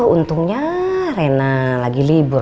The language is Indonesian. untungnya rena lagi libur